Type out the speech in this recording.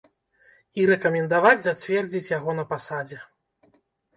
І рэкамендаваць зацвердзіць яго на пасадзе.